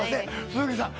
鈴木さん。